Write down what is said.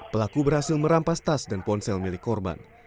pelaku berhasil merampas tas dan ponsel milik korban